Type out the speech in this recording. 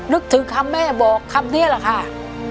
นึกถึงคำแม่บอกคำนี้แหละค่ะ